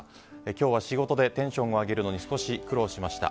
今日は仕事でテンションを上げるのに少し苦労しました。